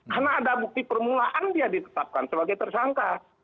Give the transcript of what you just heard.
karena ada bukti permulaan dia ditetapkan sebagai tersangka